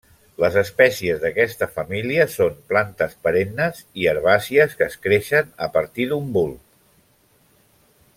Les espècies d'aquesta família són plantes perennes i herbàcies que creixen a partir d'un bulb.